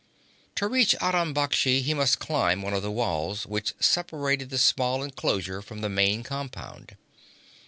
To reach Aram Baksh he must climb one of the walls which separated the small enclosure from the main compound.